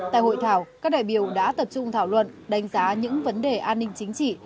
tại hội thảo các đại biểu đã tập trung thảo luận đánh giá những vấn đề an ninh chính trị